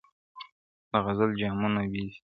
دغزل جامونه وېسي ,